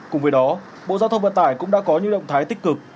cùng với đó bộ giao thông vận tải cũng đã có những động thái tích cực